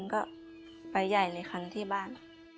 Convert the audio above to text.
ก็ไปใหญ่เลยค่ะที่บ้าน